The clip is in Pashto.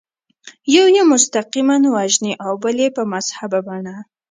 یو یې مستقیماً وژني او بل یې په مهذبه بڼه.